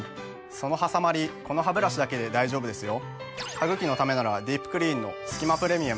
そのはさまりこのハブラシだけで大丈夫ですよ。